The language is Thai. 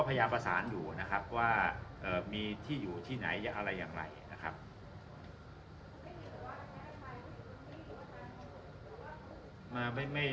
พยายามภาษาอยู่นะครับว่ามีที่อยู่ที่ไหนอะไร